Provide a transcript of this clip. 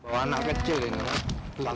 masih kecil ini lalu